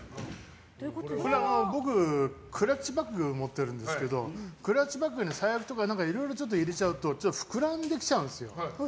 僕、クラッチバッグを持ってるんですけどクラッチバッグに財布とかいろいろ入れちゃうと膨らんできちゃうんですよ。